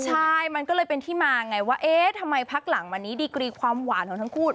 ใช่มันก็เลยเป็นที่มาไงว่าเอ๊ะทำไมพักหลังวันนี้ดีกรีความหวานของทั้งคู่